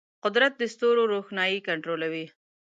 قدرت د ستورو روښنايي کنټرولوي.